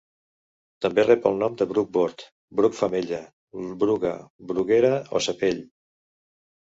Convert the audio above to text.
També rep el nom de bruc bord, bruc femella, bruga, bruguera o cepell.